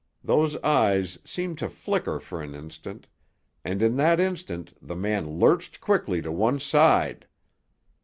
Those eyes seemed to flicker for an instant, and in that instant the man lurched quickly to one side.